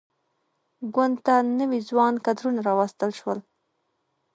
ګوند ته نوي ځوان کدرونه راوستل شول.